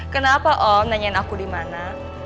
kenapa om nanyain aku dimana